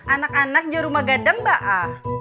anak anak joruma gadem ba'a